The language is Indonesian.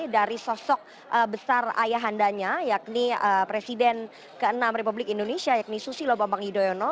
dari sosok besar ayahandanya yakni presiden ke enam republik indonesia yakni susilo bambang yudhoyono